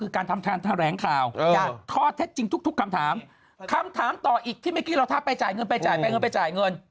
คำถามต่ออีกที่เมื่อกี้เราทับไปจ่ายเงินไปจ่ายเงิน